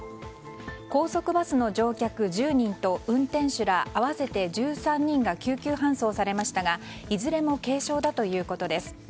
高速バスの乗客１０人と運転手ら合わせて１３人が救急搬送されましたがいずれも軽傷だということです。